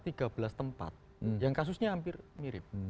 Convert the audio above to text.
tempat yang kasusnya hampir mirip